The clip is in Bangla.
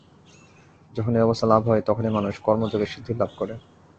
যখন এই অবস্থা লাভ হয়, তখনই মানুষ কর্মযোগে সিদ্ধি লাভ করে।